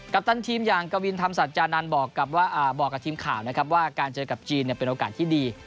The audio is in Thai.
ปตันทีมอย่างกวินธรรมสัจจานันทร์บอกกับทีมข่าวนะครับว่าการเจอกับจีนเป็นโอกาสที่ดี